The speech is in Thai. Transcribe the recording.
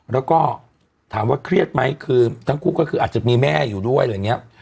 แล้วก็ถามว่าเครียดไหมคือทั้งคู่ก็คืออาจจะมีแม่อยู่ด้วยอะไรอย่างนี้